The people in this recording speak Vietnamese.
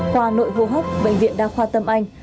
khoa nội hô hấp bệnh viện đa khoa tâm anh